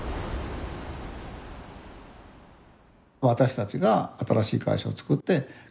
私たちが新しい会社を作って。